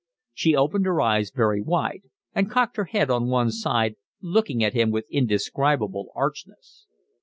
She opened her eyes very wide and cocked her head on one side, looking at him with indescribable archness.